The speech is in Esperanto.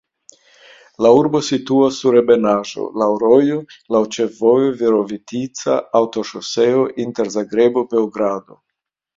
La urbo situas sur ebenaĵo, laŭ rojo, laŭ ĉefvojo Virovitica-aŭtoŝoseo inter Zagrebo-Beogrado.